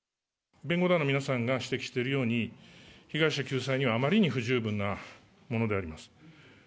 弁護団の皆さんが指摘しているように、被害者救済にはあまりに不十分なものであります。